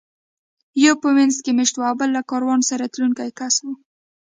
یو په وینز کې مېشت و او بل له کاروان سره تلونکی کس و